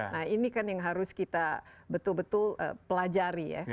nah ini kan yang harus kita betul betul pelajari ya